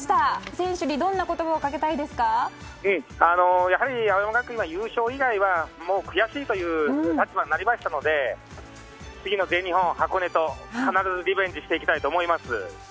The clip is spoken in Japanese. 選手にどんな言葉をやはり青山学院は優勝以外は悔しい立場になりましたので次の全日本、箱根と必ずリベンジしていきたいと思います。